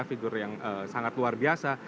figur yang sangat luar biasa